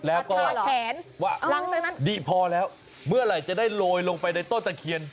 แล้วก็หลังจากนั้นดีพอแล้วเมื่อไหร่จะได้โรยลงไปในต้นตะเคียน